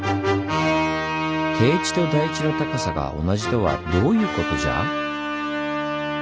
低地と台地の高さが同じとはどういうことじゃ？